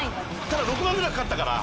ただ６万ぐらいかかったから。